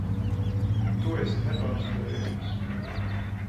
Tu esi nepārspējams.